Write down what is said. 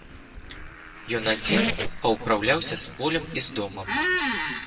Ён адзін, а ўпраўляўся з полем і з домам.